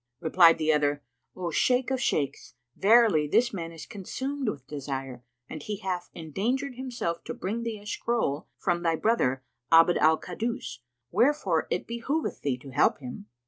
Replied the other, "O Shaykh of Shaykhs, verily this man is consumed with desire and he hath endangered himself to bring thee a scroll from thy brother Abd al Kaddus; wherefore it behoveth thee to help him."